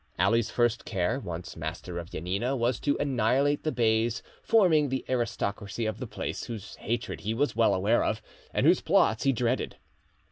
Ali's first care, once master of Janina, was to annihilate the beys forming the aristocracy of the place, whose hatred he was well aware of, and whose plots he dreaded.